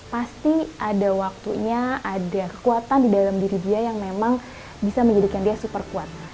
pasti ada waktunya ada kekuatan di dalam diri dia yang memang bisa menjadikan dia super kuat